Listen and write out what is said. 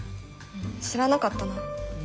知らなかったな。